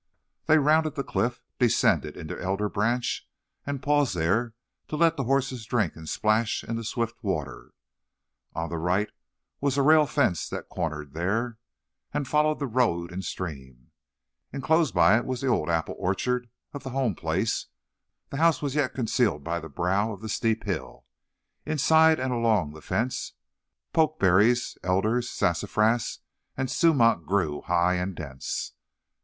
They rounded the cliff, descended into Elder Branch, and paused there to let the horses drink and splash in the swift water. On the right was a rail fence that cornered there, and followed the road and stream. Inclosed by it was the old apple orchard of the home place; the house was yet concealed by the brow of the steep hill. Inside and along the fence, pokeberries, elders, sassafras, and sumac grew high and dense.